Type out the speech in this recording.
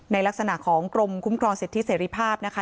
ลักษณะของกรมคุ้มครองสิทธิเสรีภาพนะคะ